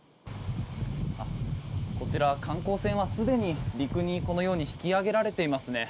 こちら観光船はすでに陸に、このように引き揚げられていますね。